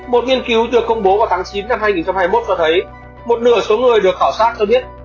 một nghiên cứu được công bố vào tháng chín năm hai nghìn hai mươi một cho thấy một nửa số người được khảo sát cho biết